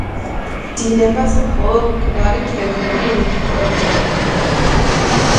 დინებას, მხოლოდ მკვდარი თევზები მიჰყვებიან.